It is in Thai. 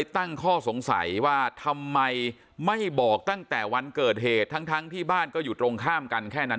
ทำไมไม่บอกตั้งแต่วันเกิดเหตุทั้งที่บ้านก็อยู่ออกข้างกันแค่นั้น